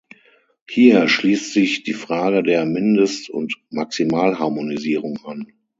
Hier schließt sich die Frage der Mindest- und Maximalharmonisierung an.